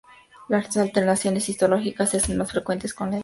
Las alteraciones histológicas se hacen más frecuentes con la edad.